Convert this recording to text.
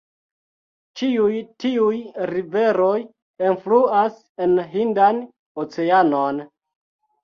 Ĉiuj tiuj riveroj enfluas en Hindan Oceanon.